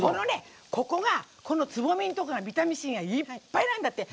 ここは、このつぼみのところはビタミンＣがいっぱいなんだって。